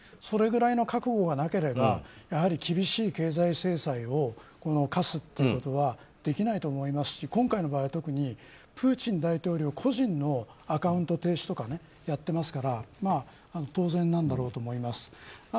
それくらいの覚悟がなければ厳しい経済制裁を科すということはできないと思いますし今回の場合は特にプーチン大統領個人のアカウント停止とかやってますから当然なんだろうと思います。